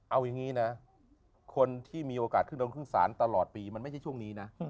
เอาอย่างนี้นะคนที่มีโอกาสขึ้นลงขึ้นศาลตลอดปีมันไม่ใช่ช่วงนี้นะ